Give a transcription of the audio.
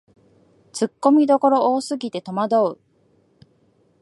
ツッコミどころ多すぎてとまどう